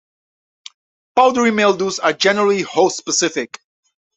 Powdery mildews are generally host-specific.